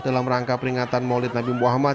dalam rangka peringatan maulid nabi muhammad